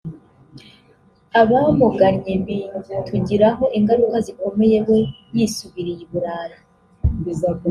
abamugannye bitugiraho ingaruka zikomeye we yisubiriye i Burayi